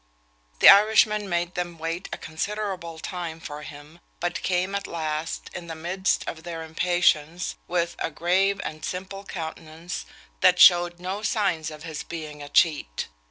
The Irishman made them wait a considerable time for him, but came at last, in the midst of their impatience, with a grave and simple countenance, that showed no signs of his being a cheat.